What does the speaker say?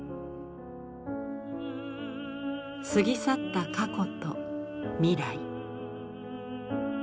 過ぎ去った過去と未来。